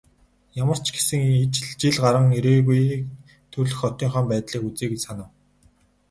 Ямар ч гэсэн жил гаран ирээгүй төрөлх хотынхоо байдлыг үзье гэж санав.